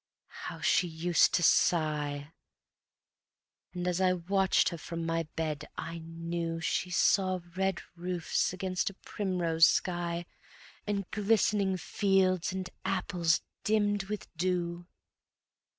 How she used to sigh! And as I watched her from my bed I knew She saw red roofs against a primrose sky And glistening fields and apples dimmed with dew.